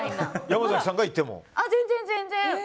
山崎さんが行っても？